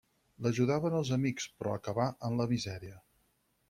L’ajudaven els amics, però acabà en la misèria.